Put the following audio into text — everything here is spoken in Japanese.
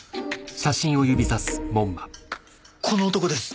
この男です！